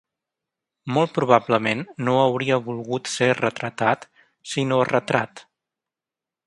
Molt probablement no hauria volgut ser retratat, sinó retrat.